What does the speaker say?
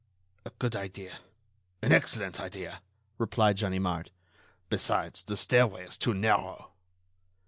"A good idea, an excellent idea," replied Ganimard. "Besides, the stairway is too narrow."